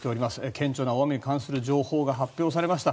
顕著な大雨に関する情報が発表されました。